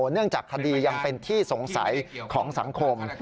เนื่องจากคดียังเป็นที่สงสัยของสังคม